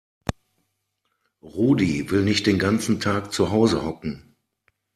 Rudi will nicht den ganzen Tag zu Hause hocken.